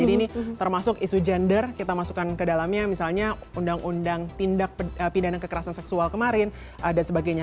ini termasuk isu gender kita masukkan ke dalamnya misalnya undang undang tindak pidana kekerasan seksual kemarin dan sebagainya